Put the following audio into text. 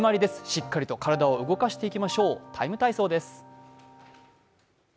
しっかりと体を動かしていきましょう、「ＴＩＭＥ，体操」です。